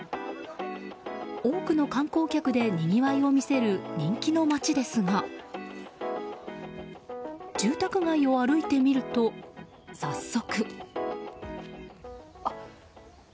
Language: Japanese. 多くの観光客でにぎわいを見せる人気の街ですが住宅街を歩いてみると早速。